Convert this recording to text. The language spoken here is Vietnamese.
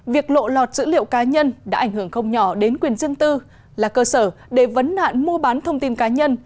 việc lộ lọt dữ liệu cá nhân đã ảnh hưởng không nhỏ đến quyền dân tư là cơ sở để vấn nạn mua bán thông tin cá nhân